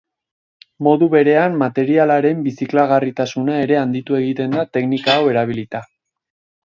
Modu berean materialen biziklagarritasuna ere handitu egiten da teknika hau erabilita.